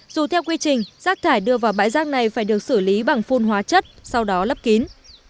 dù theo quy trình rác thải đưa vào bãi rác này phải được xử lý bằng phun hóa chất sau đó lấp kín